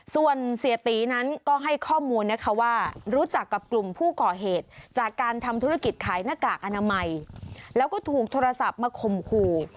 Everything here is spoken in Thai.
ส่วนเสียตีนั้นก็ให้ข้อมูลนะคะว่ารู้จักกับกลุ่มผู้ก่อเหตุจากการทำธุรกิจขายหน้ากากอนามัยแล้วก็ถูกโทรศัพท์มาข่มขู่